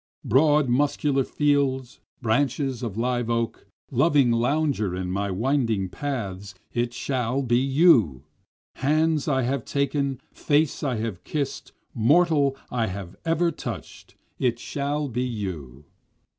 Broad muscular fields, branches of live oak, loving lounger in my winding paths, it shall be you! Hands I have taken, face I have kiss'd, mortal I have ever touch'd, it shall be you.